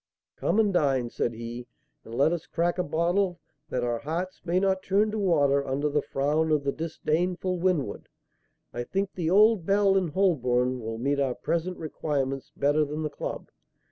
"Come and dine," said he, "and let us crack a bottle, that our hearts may not turn to water under the frown of the disdainful Winwood. I think the old 'Bell' in Holborn will meet our present requirements better than the club.